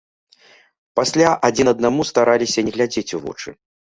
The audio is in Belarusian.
Пасля адзін аднаму стараліся не глядзець у вочы.